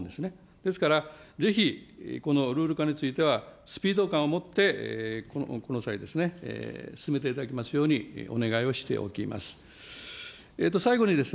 ですから、ぜひ、このルール化については、スピード感を持って、この際ですね、進めていただきますように、お願いをしておきます。